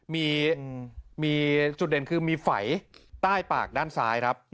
มีจุดเด่นคือมีฝัยใต้ปากด้านซ้าย